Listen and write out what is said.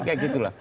kayak gitu lah